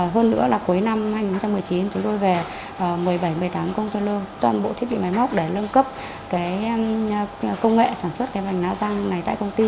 hơn nữa là cuối năm hai nghìn một mươi chín chúng tôi về một mươi bảy một mươi tám công ty lương toàn bộ thiết bị máy móc để lương cấp công nghệ sản xuất bành lá răng này tại công ty